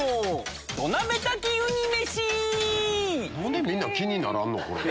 ⁉何でみんな気にならんの？